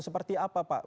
seperti apa pak